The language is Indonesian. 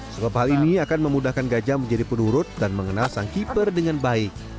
sebab hal ini akan memudahkan gajah menjadi penurut dan mengenal sang keeper dengan baik